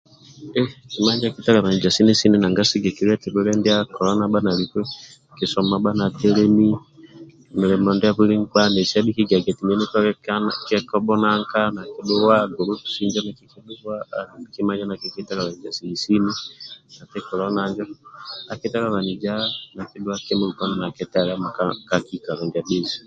Kima injo akitalavaniza sini sini nanga sigikilia eti bwile ndia kolona abha naliku kisomo abha na telemi milimo ndia buli nkpa nesi abhi kigiaga eti oyo onikolilie ko bhunanka obhulwa nesi oku konekitinga kima injo nakikitalabaniza sini sini ati kolona injo akitalabaniza nakidhua kima nakitelema ka kikalo ndia bhesu